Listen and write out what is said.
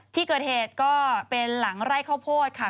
ที่เกิดเหตุก็เป็นหลังไร่ข้าวโพดค่ะ